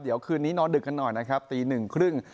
เดี๋ยวคืนนี้นอนดึกกันหน่อยนะครับตีหนึ่งครึ่ง